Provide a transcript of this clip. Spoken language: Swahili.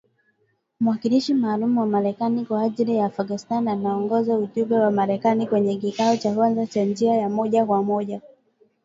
Mwakilishi maalum wa Marekani kwa ajili ya Afghanistan anaongoza ujumbe wa Marekani kwenye kikao cha kwanza kwa njia ya moja kwa moja.